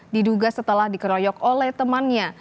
diduga setelah dikeroyok oleh temannya